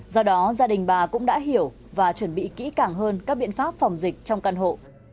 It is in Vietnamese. do đó gia đình bà cũng đã hiểu và chuẩn bị kỹ càng hơn các biện pháp phòng dịch trong căn hộ